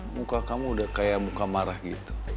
muka kamu udah kayak muka marah gitu